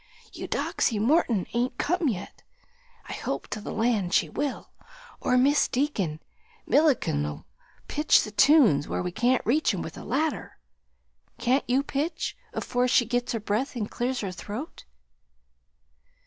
Eudoxy Morton ain't come yet; I hope to the land she will, or Mis' Deacon Milliken'll pitch the tunes where we can't reach 'em with a ladder; can't you pitch, afore she gits her breath and clears her throat?"